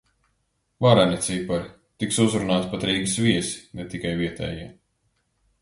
Vareni cipari! Tiks uzrunāti pat Rīgas viesi, ne tikai vietējie.